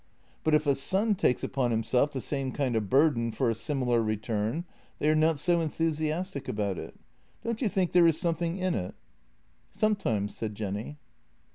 But if a son takes upon himself the same kind of burden for a similar return, they are not so enthusiastic about it. Don't you think there is something in it? "" Sometimes," said Jenny.